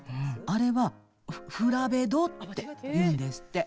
あれはフラベドっていうんですって。